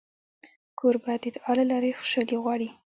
کوربه د دعا له لارې خوشالي غواړي.